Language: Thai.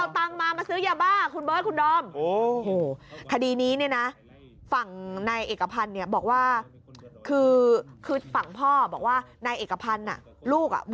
มันเอาเงินมามาซื้ออย่าบ้าคุณเบิร์ดคุณดอม